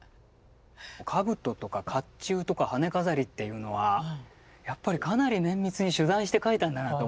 かぶととかかっちゅうとか羽飾りっていうのはやっぱりかなり綿密に取材して描いたんだなと思いますね。